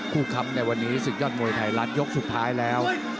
คู่ค้ำทางวันนี้สุขยอดมวยไทยรัฐยกสุดท้ายแล้ว